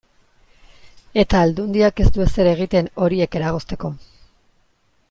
Eta Aldundiak ez du ezer egiten horiek eragozteko.